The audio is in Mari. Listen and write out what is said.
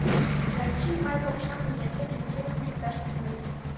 Янчи май копшаҥге нерген мурсемым шокташ тӱҥале.